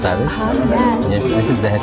chào mừng quý vị đến với